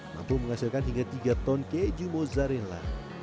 mampu menghasilkan hingga tiga ton keju mozzarella